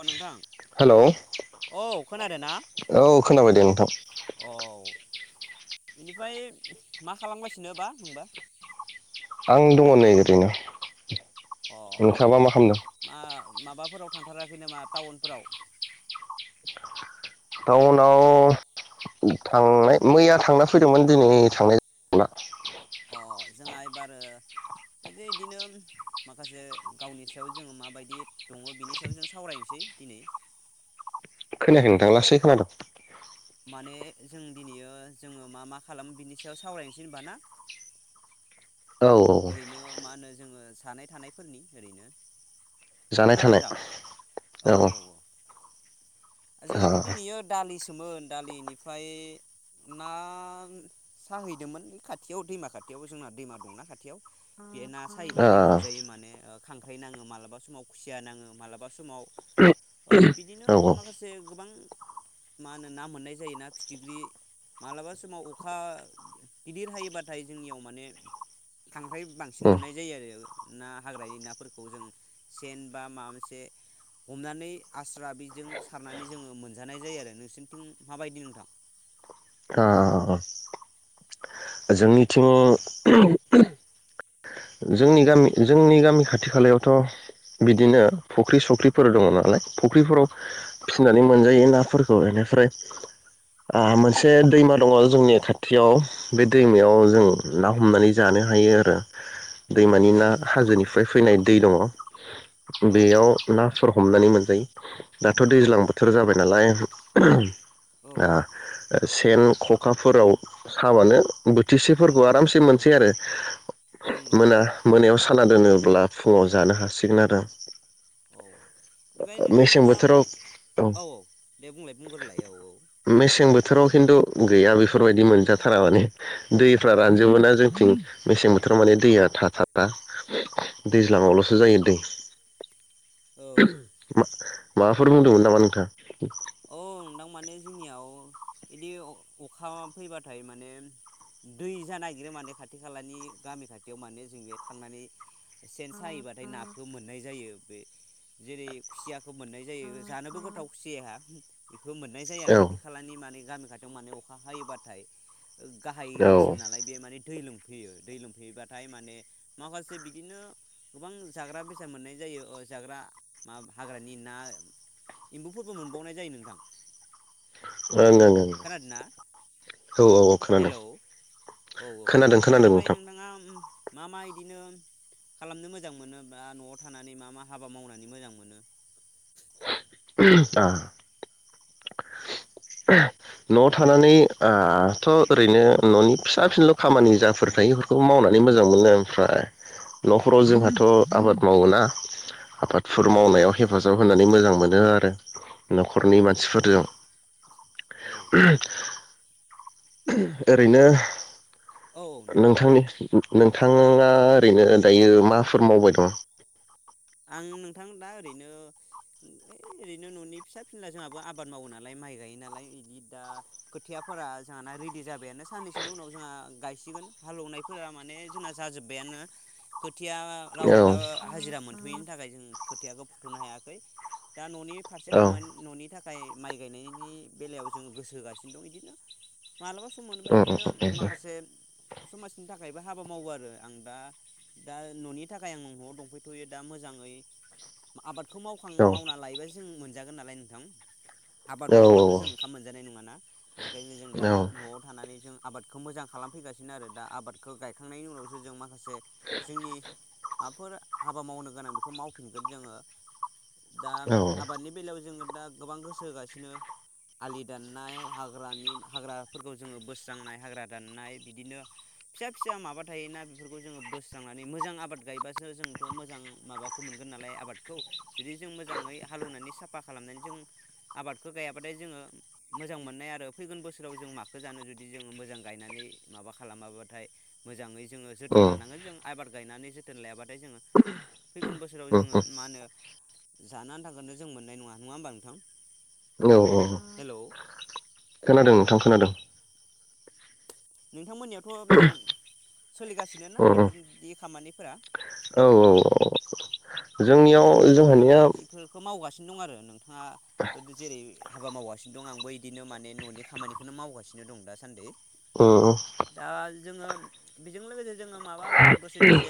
अ नोंथां हेलौ औ खोनादों ना औ खोनाबाय दे नोंथां औ बेनिफ्राय मा खालामगासिनो बा नोंबा। आं दङ नै ओरैनो। अ नोंथाङाबा मा खालामदों मा माबाफोराव थांथाराखै नामा टाउनफोराव? टाउनाव थांनाय मैया थांना फैदोंमोन दिनै थांनाय नंला। अ जोंहा बारो बिदिनो माखासे गावनि सायाव जोङो माबायदि दङ बिनि सायाव जों सावरायनोसै दिनै। औ खोनायाखै नोंथां लासै खोनादों माने जों दिनैयो जोङो मा मा खालामो बिनि सायाव सावरायनोसै होनबा ना? औ औ ओरैनो मा होनो जोङो सानाय थानायफोरनि ओरैनो जानाय खोनादों थानाय नोंथां औ। ओ जोंहाथ' दिनैयो दालिसोमोन दालिनिफ्राय ना साहैदोंमोन खाथियाव दैमा खाथियाव जोंना दैमा दंना खाथियाव बे ना सायोबाथाय औ मोनजायो माने। खांख्राय नाङो मालाबा समाव खुसिया नाङो मालाबा समाव। ओ बिदिनो औ माखासे गोबां मा होनो ना मोननाय जायो ना फिथिख्रि मालाबा समाव अखा गिदिर हायोबाथाय जोंनियाव माने खांख्राय बांसिन उम मोननाय जायो आरो ना हाग्रानि नाफोरखौ जों सेन बा माबा मोनसे हमनानै आस्रा बेजों सारनानै जोङो मोनजानाय जायो आरो नोंसिनिथिं माबायदि नोंथां ओ जोंनिथिं जोंनि गामि जोंनि गामि खाथि खालायावथ' बिदिनो फख्रि सख्रिफोर दङ नालाय फख्रिफोराव फिनानै मोनजायो नाफोरखौ बेनिफ्राय ओ मोनसे दैमा दङ जोंनि खाथियाव बे दैमायाव जों ना हमनानै जानो हायो आरो। दैमानि औ ना नोंथां औ हाजोनिफ्राय फैनाय। दै दङ औ बेयाव ना सर हमनानै मोनजायो दाथ' दैज्लां बोथोर जाबाय नालाय ओ ओं सेन खखाफोराव साबानो बोथिसेफोरखौ आरामसे मोनसै आरो ओं ओं मोना मोनायाव। खाना दोनोब्ला फुङाव जानो हासिगोन आरो। औ ओमफ्राय नोंथां मेसें नोङा औ बोथोराव औ दे बुंलाय बुंग्रोलाय। औ औ। मेसें बोथोराव खिन्थु गैया बेफोरबायदि मोनजाथारा माने। दैफ्रा औ अ रानजोबो ना जोंनिथिं मेसें बोथोर माने दैया थ' थाथारा दैज्लाङावल'सो जायो दै। औ मा माबाफोर बुंदोंमोन नामा नोंथाङा? औ नोंथां माने जोंनियाव बिदि अखा फैबाथाय माने दै जानो नागिरो माने खाथि खालानि गामि खाथियाव माने जों बे थांनानै सेन साबाथाय नाखौ मोननाय जायो बे जेरै खुसियाखौ मोननाय जायो जानोबो गोथाव खुसियाया। [unintelligible] मोननाय जायो आरो औ खाथि खालानि माने। गामि खाथियाव माने अखा हायोबाथाय गाहाय ओं ओनसोल नालाय बे माने दै लोम फैयो दै लोमफैयोबाथाय माने माखासे बिदिनो गोबां जाग्रा बेसाद मोननाय जायो ओ जाग्रा मा हाग्रानि ना एम्बुफोरबो मोनबावनाय जायो नोंथां ओं ओं ओं खोनादोंना औ औ औ खोनादों हेलौ औ औ खोनादों खोनादों बेनिफ्राय नोंथां नोंथाङा मा मा इदिनो खालामनो मोजां मोनो बा न'आव थानानै मा मा हाबा मावनानै मोजां मोनो [unintelligible] आ न'आव थानानै ओ थ' ओरैनो न'नि फिसा फिनल' खामानि जाफोर थायोफोरखौ मावनानै मोजां मोनो ओमफ्राय न'खराव जोंहाथ' आबाद मावो ना आबादफोर औ औ मावनायाव नंगौ नंगौ हेफाजाब होनानै मोजां मो नो आरो न'खरनि औ मानसिफोरजों औ [unintelligible] ओरैनो औ नोंथां नोंथांनि नोंथाङा ओरैनो दायो माफोर मावबाय दं आं नोंथां दा ओरैनो ओइ ओरैनो न'नि फिसा फिनला जोंहाबो आबाद मावो नालाय माइ गायो नालाय बिदि दा खोथियाफोरा जोंहाना रेडि जाबायानो साननैसोनि उनाव जोंहा गायसिगोन हालौएवनायफोरा माने जोंना जाजोबबायानो खोथिया रावबो औ दा हाजिरा मोन बेनि थाखाय जों खोथियाखौ फुथ'नो हायाखै दा न'नि फारसे औ खामानि न'नि था फ्राय माइ गायनायनि बेलायाव जोंङो गोसो होगासिनो दं इदिनो मालाबा सम मोनोबा उम इदिनो उम माखासे समाजनि थाखायबो हाबा मावो आरो आं दा दा न'नि थाखाय आं न'आव दंफैथ'यो दा मोजाङै आबाद खौ मावखां उम मावना लायोबा जों मोन जागोन नालाय नोंथां आबाद औ मावाबाथ' जों ओंखाम मोनजानाय नङाना बेनिखायनो जों दा औ न'आव थानानै जों आबादखौ मोजां खालामफैगासिनो आरो दा आबादखौ गायखांनायनि उनावसो जों मा माखासे जोंनि [unintelligible] हाबा मावनो गोनां बेखौ मावफिनगोन जोङो दा औ आबादनि बेलायाव जोङो दा गोबां गोसो होगासिनो आलि दाननाय हाग्रानि हाग्राफोरखौ जोङो बोस्रांनाय हाग्रा दाननाय बिदिनो फिसा फिसा माबा थायोना बेफोरखौ जोङो बोस्रांनानै मोजां आबाद गायबासो जों मोजां माबाखौ मोनगोन नालाय आबादखौ जुदि जों मोजाङै हालेवनानै साफा खालामनानै जों आबादखो गायाबाथाय जोङो मोजां मोननाय आरो फैगोन बोसोराव जों माखौ जानो जुदि जोङो मोजां गायनानै माबा खालामाबाथाय मोजाङै जोङो जोथोन उम लानांगोन जों आबाद गायनानै जोथोन लायाबाथाय जोङो फैगोन बोसोराव उम जोङो मा होनो जानो आनथा नो जों मोननाय नङा होमबा नोंथां औ औ हेलौ खोनादों नोंथां खोनादों नोंथांमोननियाव थ सोलिगासिनो ना उम उम बेफोरदि खामानिफोरा औ औ औ आं जोंनियाव माने न'आव जोंहानिया थानानै बेफोरखौ मावगासिनो सिनो दं आरो नोंथाङा जेरै हाबा मावगासिनो दं आंबो इदिनो माने न'नि खामानिखौनो मावगासिनो दं दासान्दि अ दा जोङो बेजों लोगोसे जोङो माबा दसे दसे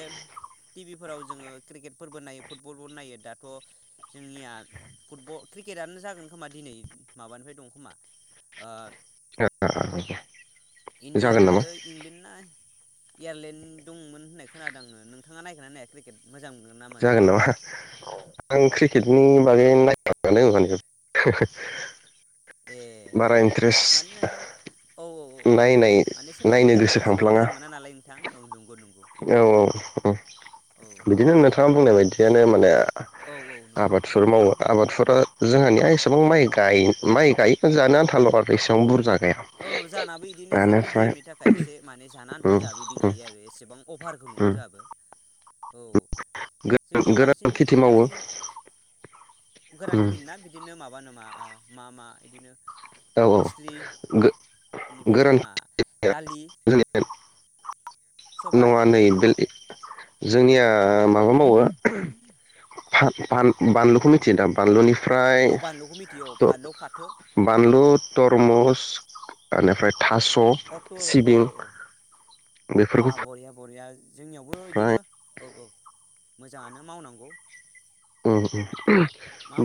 टिभिफोराव जोङो क्रिकेटफोरबो नायो फुटबलबो नायो दाथ' जोंनिया फुटबल क्रिकेटआनो जागोन खोमा दिनै माबानिफ्राय दं खोमा ओ इन्दियान जागोन नामा आरो इंलेन्द ना एयारलेण्ड दंमोन होननाय खोनादों आङो नोंथाङा नायगोननानाया क्रिकेट मोजां मोनगोन ना मोना जागोन नामा नायनो? आं क्रिकेटनि बागै नायानो मान बारा ए इन्टारेस्ट माने नोंथां औ औ नायनाय माने सोरबा नायनो मोजां मोनो सोरबा गोसोखांफ्लाङा मोजां मोना नालाय नोंथां औ नंगौ नंगौ बेबो औ औ औ बिदिनो नोंथाङा बुंनाय बायदियानो माने औ औ नंगौ नंगौ आबादफोर मावो आबादफोरा जोंहानिया एसेबां माइ गाय माइ गाय जानो आ थालग आरो बेसेबां बुरजानो औ जानाबो इदिनो एसे मिडियामनि थाखाय एसे माने जाना आन्था उम जों बिदि उम गायो आरो एसेबां अफारखौ नङा उम जोंहाबो। औ जोंनियाव बांसिन गोरान खेथि मावो इथिं गोरां उम खिथि ना बिदिनो माबा नाम। मा मा मा इदिनो लेषरि बेनिफ्राय दालि गोरानथि सबाय नङा नै बेलि जोंनिया माबा मावो बानलुखौ मिथियो दा बानलुनि फ्राय औ बानलुखौ मिथियो औ बानलु फाथो बानलुद तरमुस बेनिफ्राय थास' अ थुर औ सिबिं औ बे बा बरिया बरिया जोंनियावबो इदिनो औ औ मोजाङानो मावनांगौ उम उम [unintelligible] मा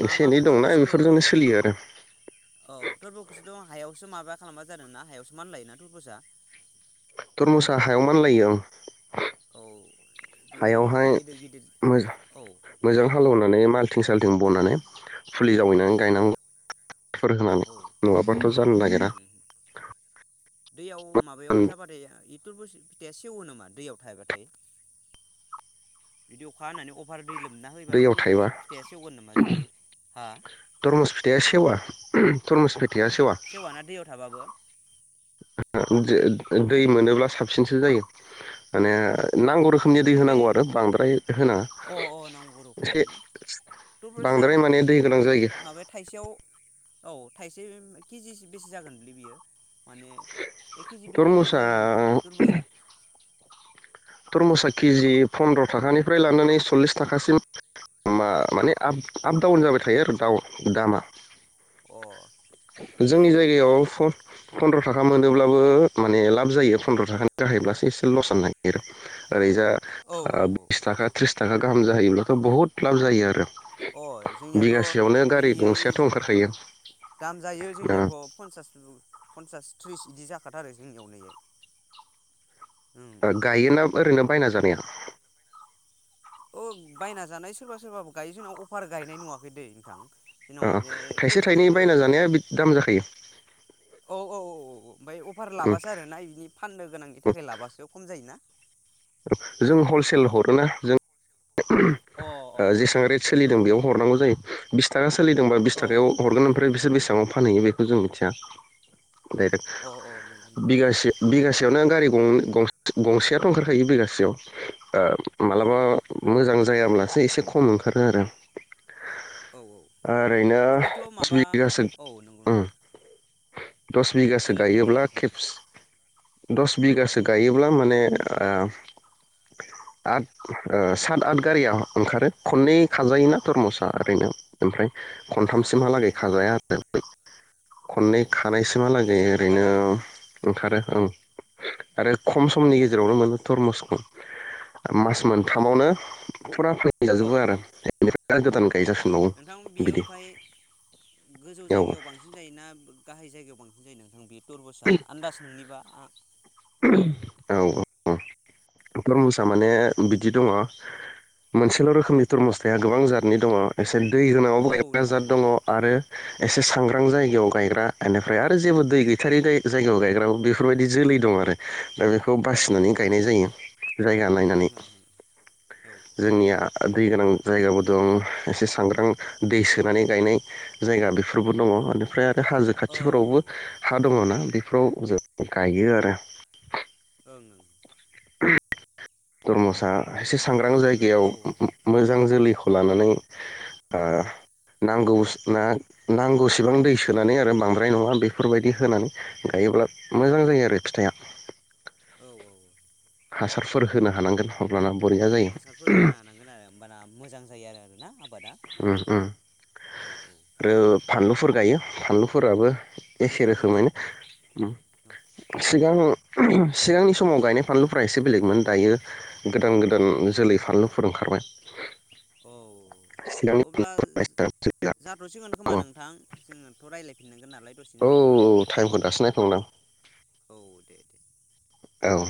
मा माबा थुरबुसखथ' सोलियो आरो औ थुरबखसथ' हायावसो माबा खालामबा जादों ना हायावसो मान लायोना थुरबुसा तरमुसा हायाव मानलायो ओं औ बिदिनो हायावहाय गिदिर गिदिर मोजां औ मोजां हालेवनानै माल्थिं स सालथिं बनानै फुलि औ जावैनानै औ गायनांगौफोर होनानै औ नङाबाथ'। जानो नागिरा उम दैयाव माबायाव जाबाथाय इथुरबुस फिथाइया सेवो नामा दैयाव थायबाथाय बिदि अखा हानानै अभार दै लोमना होयोबाथाय दैयाव थरबुज थाइबा फिथाइया सेवगोन नामा जुदि हा तरमुस फिथाइया सेवा तरमुस फिथाइया सेवा सेवाना दैयाव थाबाबो? [inaudible] दै मोनोब्ला साबसिनसो जायो माने अ नांगौ रोखोमनि दै बेनिफ्राय होनांगौ आरो बांद्राय अ होनाङा अ नांगौ रोखोमनि एसे ना थरबुजा बांद्राय बिदि माने दै गोनां जायो माबाया थाइसेयाव औ थाइसे केजिसे बेसे जागोनलै बियो माने एक केजि दुइ केजि तरमुसा जायो नामा ए थुरबुसा थरमुसा केजि फन्द्र' थाखानिफ्राय लानानै सल्लिस थाखासिम मा माने आ आपडाउन जाबाय थायो आरो दाउ दामा अ ओमफ्राय जोंनि जायगायाव फ फन्द्र' थाखा मोनोब्लाबो माने लाब जायो फन्द्र' थाखानि गाहायब्लासो एसे लस जनो नागिरो [inaudible] ओरैजा औ औ बिस थाखा त्रिस थाखा गाहाम जाहैयोब्लाथ' बहुत लाब जायो आरो अ बिगासेयावनो जोंनियाथ' गारि नैइआय गंसेयाथ' ओंखारखायो दाम जायो जोंनियावथ' पन्सास फन्सास त्रिस इदि जाखाथार जोंनियाव नै इआइ ओ गायोना ओरैनो बायना जानाया अ बायना जानाय सोरबा सोरबाबो गायो जोंनाव अफार गायनाय नुवाखै दै नोंथां जोंनाव अ माने थाइसे थाइनै तरबुजखौ बायना जानाया बिद दाम जाखायो ओमफाय अबार लाबासो आरोना बिनि फाननो गोनांनि थाखाय लाबासो खम जायोना जों हलसेल हरोना जों। अ अ अ जेसेबां रेट सोलिदों बेयाव हरनांगौ जायो। बिस थाखासो सोलिदोंबा बिस अ औ थाखायाव हरगोन आमफ्राय बिसोर बेसे बायाव फानहैयो बेखौ जों मिथिया डाइरेक औ अ अ नंगौ बिगासे बिगासेयावनो गारि गंनै गंसेयाथ' ओंखारखायो बिगासेयाव। अन जायाब्ला से एसे खम ओंखारो आरो औ ओरैनो बेथ' दस माबा बिगासो औ नंगौ ओ नोंथां दस बिगासो देलाय गायोब्ला बुंग्रोलाय नोंथां खेबस दस बिगासो गायोब्ला माने आद सात आथ गारिया ओंखारो खननै खाजायोना थरम'सा ओरैनो ओमफ्राय। अ अ खनथामसिमहालागै नंगौ नोंथां खाजाया आरो औ खननै खानायसिमहालागै मोजां आबाद ओरैनो आरोना ओंखारो ओं आरो खम समनि गेजेरावनो मोनो थरमुसखौ मास अ मोनथामावनो। औ जाजोबो आरो बेनिफ्राय गोदान औ गायजाफिनबावो नोंथां बियो बिदि। ओमफ्राय गोजौ औ जायगायाव बांसिन जायोना। गाहाय जायगायाव बांसिन जायो नोंथां बे। थरबसा आन्दाज नोंनिबा आ औ थरमुसा माने बिदि दङ मोनसेल' रोखोमनि थरमुस थाया गोबां जातनि दङ एसे दै औ होनायावबो गायग्रा नंगौ जाद दङ नोंथां आरो एसे सांग्रां जायगायाव गायग्रा बेनिफ्राय आरो जेबो दै गैथारै जायगायाव गायग्राबो बेफोरबायदि जोलै दं आरो दा बेखौ अ बासिनानै गायनाय जायो। जायगा हो नायनानै हो हो औ जोंनिया। दै गोनां जायगाबो दं एसे सांग्रां दै सोनानै गायनाय जायगा बेफोरबो दङ बेनिफ्राय आरो बे हाजो खाथिफोरावबो ओं ओं हा दङ ना। बेैफ्राव जों गायो आरो ओं [unintelligible] तरमुज ओ एसे सांग्रां नोंथाङा जायगायाव औ औ मोजां जोलै लानानै ओ नांगौ ना नांगौसेबां दै सोनानै आरो बांद्राय नङा बेफोरबायदि होनानै गायोब्ला मोजां जायो आरो फिथाइया औ औ हासारफोर होनो हानांगोन अब्लाना। बरिया जायो हासारफोर होनो हानांगोन आरो होमबाना मोजां जायो आरो आरोना। आबादा ओ उम औ औ आरो फानलुफोर गायो फानलुफोराबो एखे फानलुफोरबो ना रोखोमैनो सि सिगां सिगांनि समाव गायनाय फानलुफोरा एसे बेलेगमोन दायो गोदान गोदान जोलै फानलुफोर ओंखारबाय। औ सिगांनि अब्ला जाथ'सिगोन खोमा औ नोंथां जोङोथ' रायलाय औ टाइमखौ दासो नायफ्लांदां औ दे दे औ